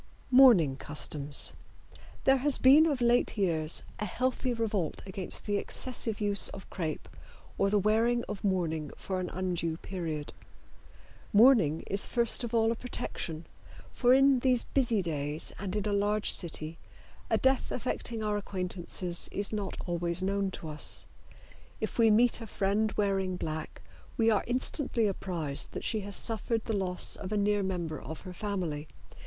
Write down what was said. MOURNING CUSTOMS. There has been of late years a healthy revolt against the excessive use of crepe or the wearing of mourning for an undue period. Mourning is first of all a protection, for in these busy days and in a large city a death affecting our acquaintances is not always known to us. If we meet a friend wearing black we are instantly apprised that she has suffered the loss of a near member of her family.